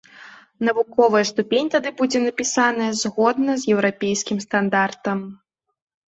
Навуковая ступень тады будзе напісаная згодна з еўрапейскім стандартам.